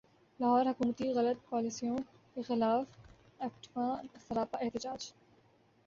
لاہور حکومتی غلط پالیسیوں کیخلاف ایپٹما سراپا احتجاج